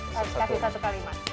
kasih satu kalimat